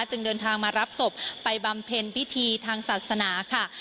จึงเดินทางมารับศพไปบำเพ็ญพิธีทางศาสนาค่ะ